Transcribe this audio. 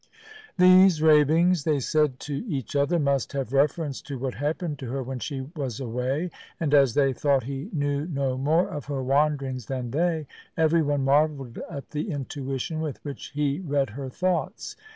These ravings, they said to each other, must have reference to what happened to her when she was away, and as they thought he knew no more of her wanderings than they, everyone marvelled at the intuition with which he read her thoughts.